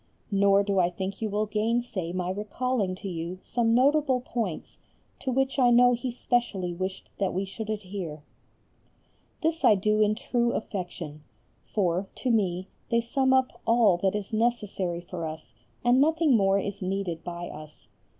Nor do I think you will gainsay my recalling you to some notable points to which I know he specially wished that we should adhere. This I do in true affection, for, to me they sum up all that is necessary for us and nothing more is needed by us.